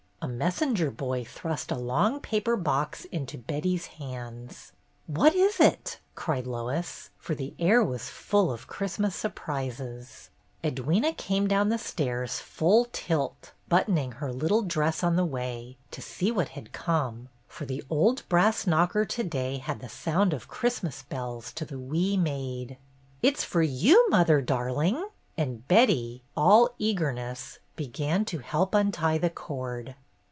A messenger boy thrust a long paper box into Betty's hands. "What is it?" cried Lois, for the air was full of Christmas surprises. Edwyna came down the stairs full tilt, buttoning her little dress on the way, to see what had come, for the old brass knocker to day had the sound of Christmas bells to the wee maid. " It 's for you, mother, darling 1 " And Betty, all eagerness, began to help untie the cord.